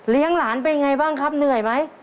เลี้ยงหลานไปไงบ้างครับเหนื่อยไหม